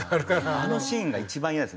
あのシーンが一番イヤです。